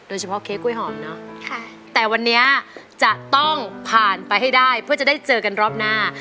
เค้กกล้วยหอมเนอะแต่วันนี้จะต้องผ่านไปให้ได้เพื่อจะได้เจอกันรอบหน้า